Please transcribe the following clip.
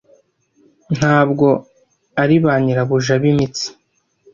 ntabwo ari ba nyirabuja b'imitsi